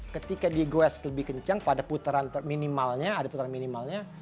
ketika digues lebih kencang pada putaran minimalnya